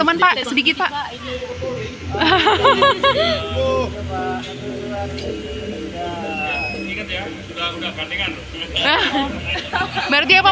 berarti apa tandanya pak yang beredar berarti ada nih saya